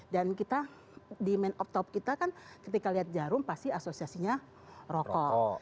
dan kita di main optop kita kan ketika lihat jarum pasti asosiasinya rokok